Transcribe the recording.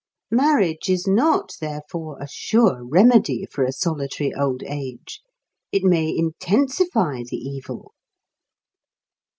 Marriage is not, therefore, a sure remedy for a solitary old age; it may intensify the evil.